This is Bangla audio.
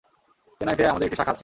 চেন্নাইতে আমাদের একটি শাখা আছে।